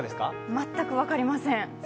全く分かりません。